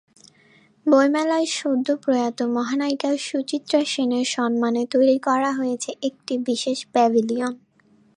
বইমেলায় সদ্যপ্রয়াত মহানায়িকা সুচিত্রা সেনের সম্মানে তৈরি করা হয়েছে একটি বিশেষ প্যাভিলিয়ন।